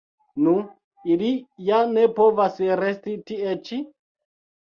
Nu, ili ja ne povas resti tie ĉi?